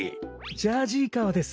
ジャージー川です。